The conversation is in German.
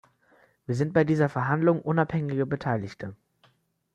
Wir sind bei dieser Verhandlung unabhängige Beteiligte.